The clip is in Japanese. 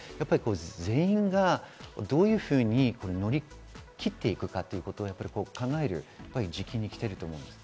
全員がどういうふうに乗り切っていくかということを考える時期に来ていると思います。